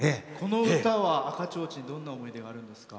「赤ちょうちん」はどんな思い出があるんですか？